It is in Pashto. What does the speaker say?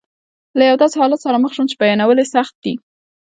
له یو داسې حالت سره مخ شوم چې بیانول یې سخت دي.